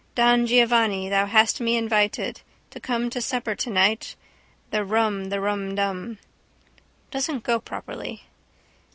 Don Giovanni, thou hast me invited To come to supper tonight, The rum the rumdum. Doesn't go properly.